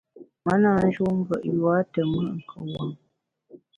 Me na njun ngùet yua te mùt kuwuom.